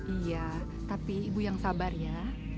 iya tapi ibu yang sabar ya